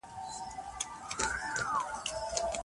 کمپيوټر بېلانس ښيي.